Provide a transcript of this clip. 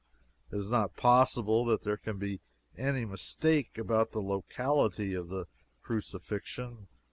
It is not possible that there can be any mistake about the locality of the Crucifixion.